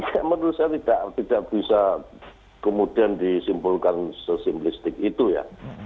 saya menurut saya tidak bisa kemudian disimpulkan sesimplistik itu ya